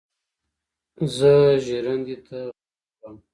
زه ژرندې ته غنم وړم.